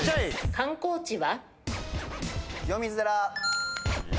観光地は？